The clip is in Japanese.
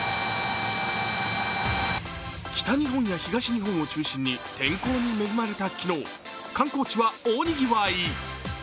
北日本や東日本を中心に天候に恵まれた昨日、観光地は大にぎわい。